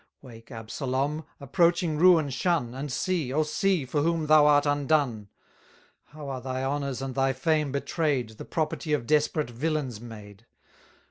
870 Wake, Absalom! approaching ruin shun, And see, O see, for whom thou art undone! How are thy honours and thy fame betray'd, The property of desperate villains made!